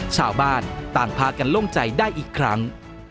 ชาวบ้านต่างพากันโล่งใจได้อีกครั้ง